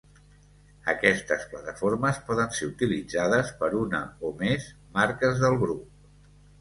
Aquestes plataformes poden ser utilitzades per una o més marques del Grup.